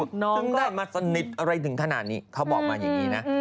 จึงได้มาสนิทอะไรถึงขนาดนี้เขาบอกมาอย่างนี้นะ